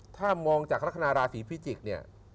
ถ้ามองจากลักษณะราศีพิจิกเนี่ย